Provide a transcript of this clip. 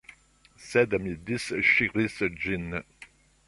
Sed mi disŝiris ĝin.